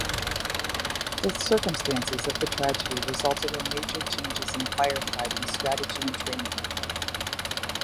The circumstances of the tragedy resulted in major changes in firefighting strategy and training.